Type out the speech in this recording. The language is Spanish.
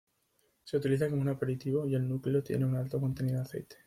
Se utiliza como un aperitivo y el núcleo tiene un alto contenido de aceite.